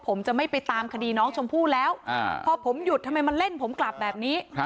ผมจะไม่ไปตามคดีน้องชมพู่แล้วพอผมหยุดทำไมมาเล่นผมกลับแบบนี้